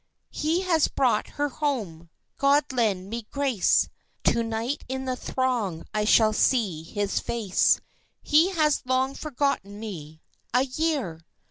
He has brought her home God lend me grace! To night in the throng I shall see his face He has long forgotten me. A year!